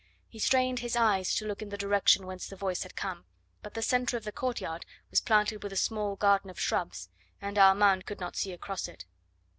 He strained his eyes to look in the direction whence the voice had come, but the centre of the courtyard was planted with a small garden of shrubs, and Armand could not see across it.